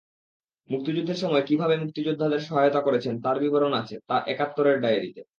মুক্তিযুদ্ধের সময়ে কীভাবে মুক্তিযোদ্ধাদের সহায়তা করেছেন, তার বিবরণ আছে, তাঁর একাত্তরের ডায়েরিতে।